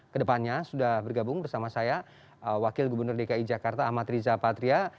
kedepannya sudah bergabung bersama saya wakil gubernur dki jakarta ahmad riza patria